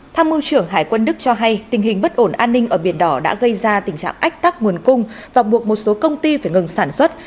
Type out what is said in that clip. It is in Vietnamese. tham mưu trưởng hải quân đức cho hay tình hình bất ổn an ninh ở biển đỏ đã gây ra tình trạng ách tắc nguồn cung và buộc một số công ty phải ngừng sản xuất